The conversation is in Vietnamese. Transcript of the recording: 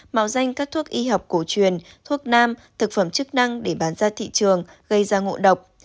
mạo danh các thuốc y học cổ truyền thuốc nam thực phẩm chức năng để bán ra thị trường gây ra ngộ độc